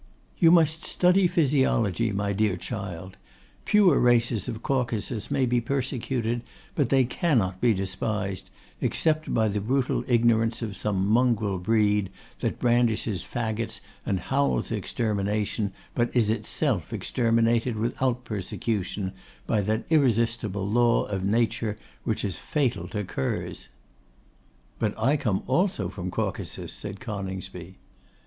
'You must study physiology, my dear child. Pure races of Caucasus may be persecuted, but they cannot be despised, except by the brutal ignorance of some mongrel breed, that brandishes fagots and howls extermination, but is itself exterminated without persecution, by that irresistible law of Nature which is fatal to curs.' 'But I come also from Caucasus,' said Coningsby.